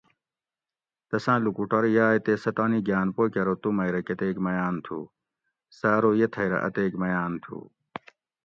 تساۤں لوکوٹور یاۤئے تے سہ تانی گھاۤن پو کہ ارو تو مئی رہ کۤتیک میاۤن تُھو؟ سہ ارو یہ تھئی رہ اتیک میاۤن تھو